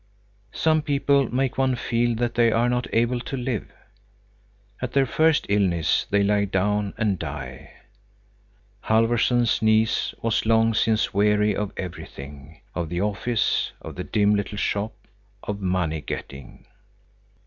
Some people make one feel that they are not able to live. At their first illness they lie down and die. Halfvorson's niece was long since weary of everything, of the office, of the dim little shop, of money getting.